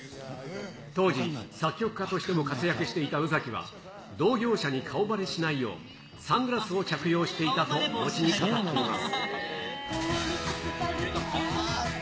当時、作曲家としても活躍していた宇崎は、同業者に顔ばれしないよう、サングラスを着用していたと、後に語っています。